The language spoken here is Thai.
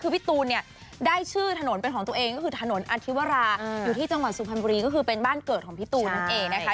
คือพี่ตูนเนี่ยได้ชื่อถนนเป็นของตัวเองก็คือถนนอธิวราอยู่ที่จังหวัดสุพรรณบุรีก็คือเป็นบ้านเกิดของพี่ตูนนั่นเองนะคะ